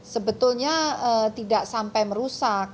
sebetulnya tidak sampai merusak